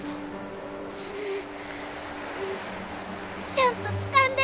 ちゃんとつかんで！